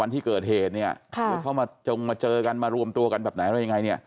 ที่เกิดเหตุเนี่ยเดี๋ยวเข้ามาจงมาเจอกันมารวมตัวกันแบบไหนอะไรยังไงเนี่ย